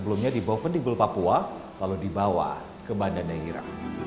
sebelumnya dibawa pendibel papua lalu dibawa ke banda neira